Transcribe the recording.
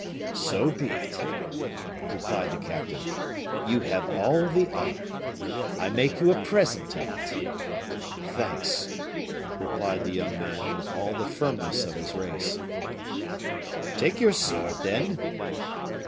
"So be it," replied the captain; "you have all the honor. I make you a present of it." "Thanks!" replied the young man, with all the firmness of his race. "Take your sword, then."